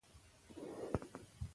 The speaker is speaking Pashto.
که تاسو سونا نه کوئ، فشار به پاتې شي.